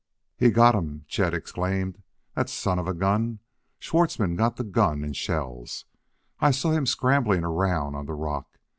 "He got 'em!" Chet exclaimed. "That son of a gun Schwartzmann got the gun and shells. I saw him scrambling around on the rock.